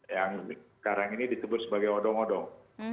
yang sekarang ini disebut sebagai odong odong